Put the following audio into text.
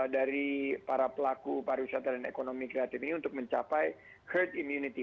dari para pelaku pariwisata dan ekonomi kreatif ini untuk mencapai herd immunity